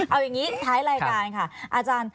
เอาอย่างนี้ท้ายรายการค่ะ